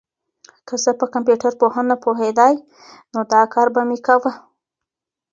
که زه په کمپيوټر پوهنه پوهېدای، نو دا کار به مي کاوه.